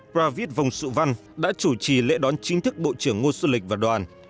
pravit vong su van đã chủ trì lễ đón chính thức bộ trưởng ngô xuân lịch và đoàn